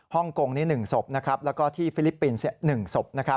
ฮงกงนี้๑ศพแล้วก็ที่ฟิลิปปินส์๑ศพ